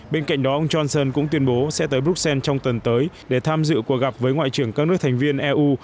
bên cạnh đó ông johnson cũng tuyên bố sẽ tới bruxelles trong tuần tới để tham dự cuộc gặp với ngoại trưởng các nước thành viên eu